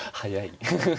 フフフフ。